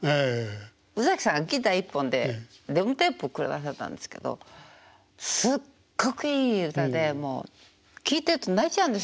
宇崎さんがギター１本でデモテープを下さったんですけどすっごくいい歌で聴いてると泣いちゃうんですよ。